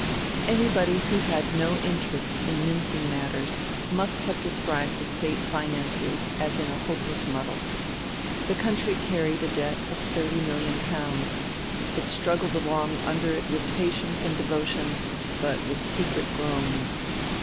Anybody who had no interest in mincing matters must have described the State finances as in a hopeless muddle. The country carried a debt of thirty million pounds it struggled along under it with patience and devotion, but with secret groans.